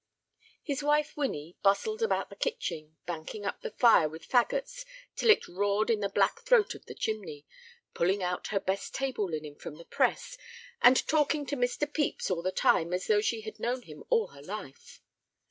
His wife Winnie bustled about the kitchen, banking up the fire with fagots till it roared in the black throat of the chimney, pulling out her best table linen from the press, and talking to Mr. Pepys all the time as though she had known him all her life.